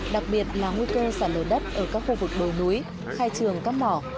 đặc biệt là nguy cơ sản lở đất ở các khu vực đồi núi khai trường các mỏ